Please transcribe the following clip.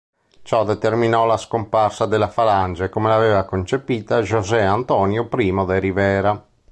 Ciò determinò la scomparsa della Falange come l'aveva concepita José Antonio Primo de Rivera.